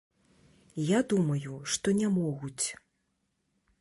Я думаю, што не могуць.